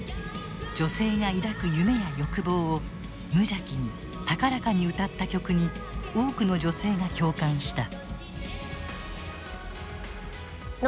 女性が抱く夢や欲望を無邪気に高らかに歌った曲に多くの女性が共感した。